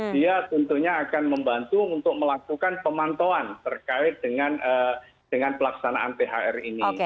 dia tentunya akan membantu untuk melakukan pemantauan terkait dengan pelaksanaan thr ini